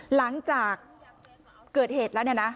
หลังจากเกิดเหตุแล้ว